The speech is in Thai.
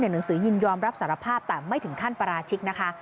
หนังสือยินยอมรับสารภาพแต่ไม่ถึงขั้นปราชิกนะคะ